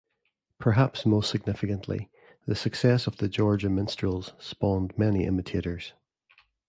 Perhaps most significantly, the success of the Georgia Minstrels spawned many imitators.